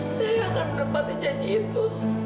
saya akan menepati janji itu